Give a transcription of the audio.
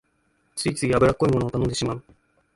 ついつい油っこいものを頼んでしまう